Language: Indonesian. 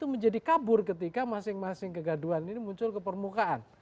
menjadi kabur ketika masing masing kegaduhan ini muncul ke permukaan